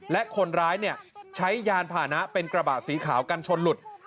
และคนร้ายใช้ยานผ่านะเป็นกระบะสีขาวกันชนหลุด